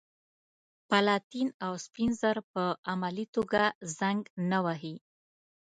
پلاتین او سپین زر په عملي توګه زنګ نه وهي.